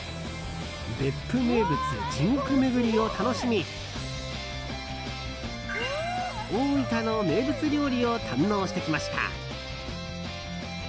別府名物、地獄めぐりを楽しみ大分の名物料理を堪能してきました。